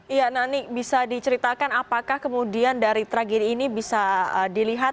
iya nani bisa diceritakan apakah kemudian dari tragedi ini bisa dilihat